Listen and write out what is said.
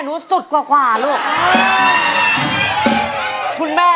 โปรดติดตามต่อไป